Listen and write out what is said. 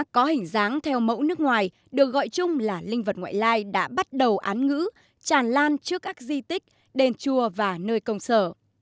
có hình dáng theo mẫu nước ngoài được gọi chung là linh vật ngoại lai đã bắt đầu án ngữ tràn lan trước các di tích đền chùa và nơi công sở